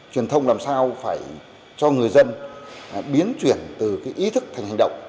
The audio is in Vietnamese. truyền thông làm sao phải cho người dân biến chuyển từ ý thức thành hành động